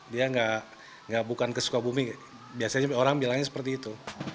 dia nggak bukan kesuka bumi biasanya orang bilangnya seperti itu